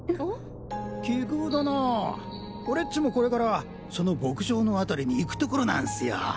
奇遇だなぁ俺っちもこれからその牧場の辺りに行くところなんスよ！